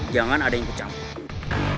jangan ada yang ikut campur